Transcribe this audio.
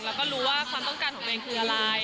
แล้วก็รู้ว่าความต้องการของตัวเองคืออะไร